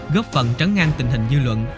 góp phần trấn ngăn tình hình dư luận